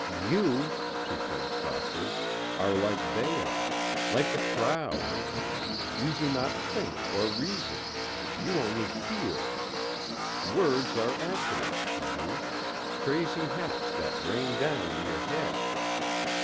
"You," she said softly, "are like they are. Like the crowd. You do not think or reason. You only feel. Words are accidents to you ... crazy hats that rain down on your head.